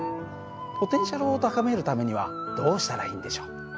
ポテンシャルを高めるためにはどうしたらいいんでしょう。